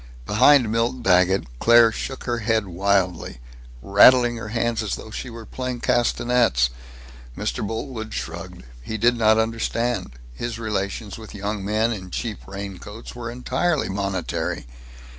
Behind Milt Daggett, Claire shook her head wildly, rattling her hands as though she were playing castanets. Mr. Boltwood shrugged. He did not understand. His relations with young men in cheap raincoats were entirely monetary.